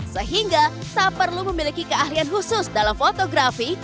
sehingga tak perlu memiliki keahlian khusus dalam fotografi